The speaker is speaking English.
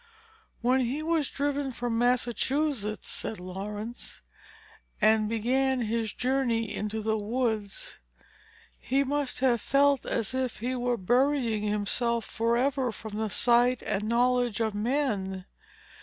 "When he was driven from Massachusetts," said Laurence, "and began his journey into the woods, he must have felt as if he were burying himself forever from the sight and knowledge of men.